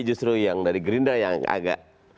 justru yang dari gerindra yang agak